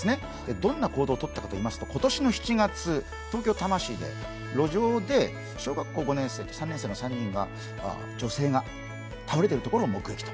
どんな行動をとったかといいますと今年７月東京・多摩市で、路上で小学校５年生と３年生の３人が、女性が倒れているところを目撃と。